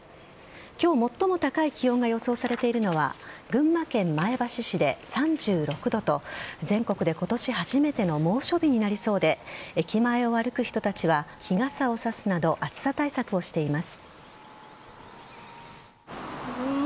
今日最も高い気温が予想されているのは群馬県前橋市で３６度と全国で今年初めての猛暑日になりそうで駅前を歩く人たちは日傘を差すなど暑さ対策をしています。